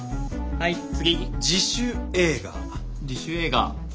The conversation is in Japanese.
はい次。